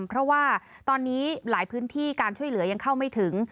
เพราะว่าตอนนี้หลายพื้นที่การช่วยเหลือยังเข้าไม่ถึง